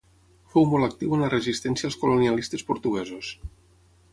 Fou molt actiu en la resistència als colonialistes portuguesos.